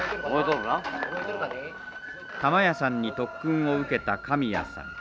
玉屋さんに特訓を受けたかみやさん。